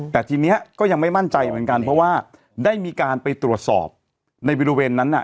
แต่ทีนี้ก็ยังไม่มั่นใจเหมือนกันเพราะว่าได้มีการไปตรวจสอบในบริเวณนั้นน่ะ